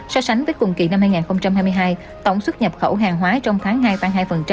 so sánh với cùng kỳ năm hai nghìn hai mươi hai tổng xuất nhập khẩu hàng hóa trong tháng hai tăng hai